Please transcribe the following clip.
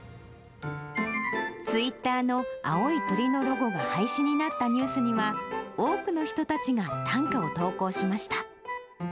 ツイッターの青い鳥のロゴが廃止になったニュースには、多くの人たちが短歌を投稿しました。